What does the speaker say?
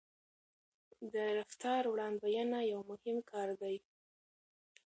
د رفتار وړاندوينه یو مهم کار دی.